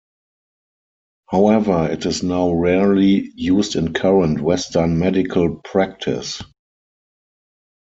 However, it is now rarely used in current Western medical practice.